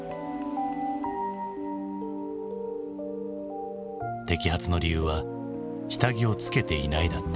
摘発の理由は「下着をつけていない」だった。